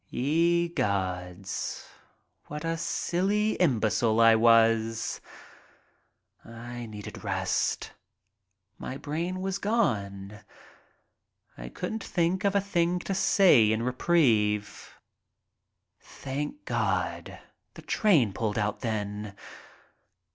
Ye gods, what a silly imbecile I was! I needed rest. My brain was gone. I couldn't think of a thing to say in reprieve. Thank God, the train pulled out then.